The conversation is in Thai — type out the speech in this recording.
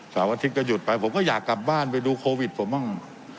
อาทิตย์ก็หยุดไปผมก็อยากกลับบ้านไปดูโควิดผมบ้าง